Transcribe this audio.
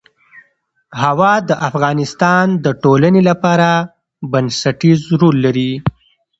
هوا د افغانستان د ټولنې لپاره بنسټيز رول لري.